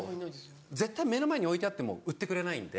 絶対目の前に置いてあっても売ってくれないんで。